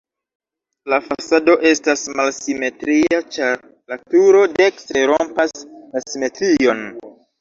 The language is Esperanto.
La fasado estas malsimetria, ĉar la turo dekstre rompas la simetrion.